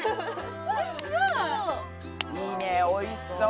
いいねおいしそう。